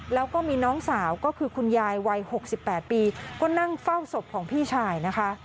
แล้วก็มีน้องสาวก็คือคุณยายวัย๖๘ปีก็นั่งเฝ้าศพของพี่ชายนะคะ